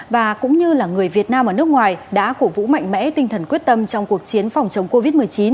và cũng như là người việt nam ở nước ngoài đã cổ vũ mạnh mẽ tinh thần quyết tâm trong cuộc chiến phòng chống covid một mươi chín